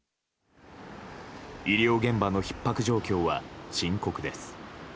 医療現場のひっ迫状況は深刻です。